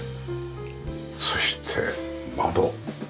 そして窓。